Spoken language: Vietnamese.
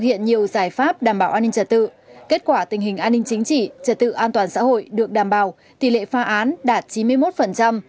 hẹn gặp lại các bạn trong những video tiếp theo